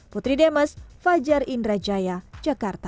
putri demes fajar indrajaya jakarta